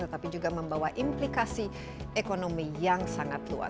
tetapi juga membawa implikasi ekonomi yang sangat luas